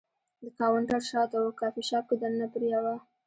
د کاونټر شاته و، کافي شاپ کې دننه پر یوه.